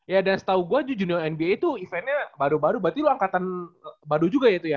ya dan setahu gua junior nba itu eventnya baru baru berarti lu angkatan baru juga ya